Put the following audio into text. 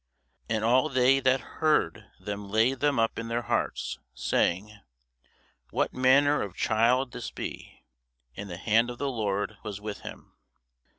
And all they that heard them laid them up in their hearts, saying, What manner of child shall this be! And the hand of the Lord was with him.